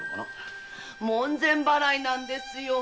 門前払いなんですよ。